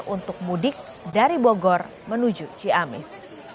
untuk mudik dari bogor menuju ciamis